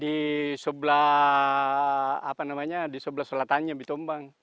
di sebelah apa namanya di sebelah selatan bintombang